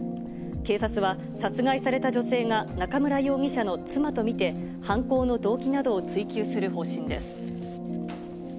警察は、殺害された女性が中村容疑者の妻と見て、犯行の動機などを追及する方針です。